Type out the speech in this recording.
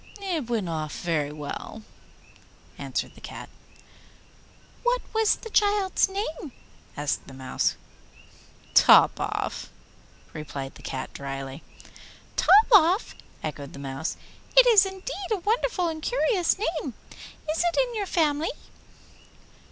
'It went off very well,' answered the Cat. 'What was the child's name?' asked the Mouse. 'Top Off,' said the Cat drily. 'Topoff!' echoed the Mouse, 'it is indeed a wonderful and curious name. Is it in your family?